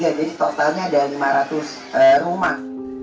jadi totalnya ada lima ratus rumah